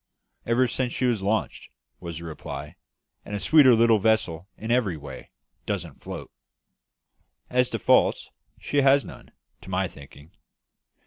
"Ever since she was launched," was the reply, "and a sweeter little vessel, in every way, doesn't float. As to faults, she has none, to my thinking.